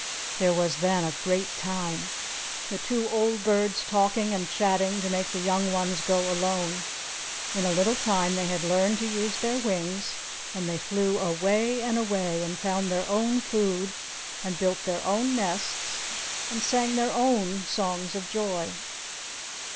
There was then a great time! The two old birds talking and chatting to make the young ones go alone! In a little time they had learned to use their wings, and they flew away and away, and found their own food, and built their own nests, and sang their own songs of joy.